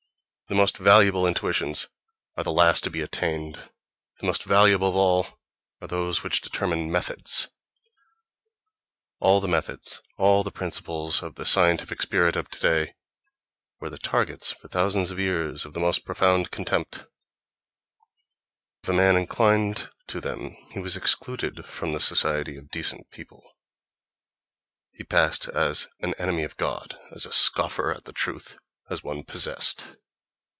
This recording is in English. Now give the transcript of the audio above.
The most valuable intuitions are the last to be attained; the most valuable of all are those which determine methods. All the methods, all the principles of the scientific spirit of today, were the targets for thousands of years of the most profound contempt; if a man inclined to them he was excluded from the society of "decent" people—he passed as "an enemy of God," as a scoffer at the truth, as one "possessed."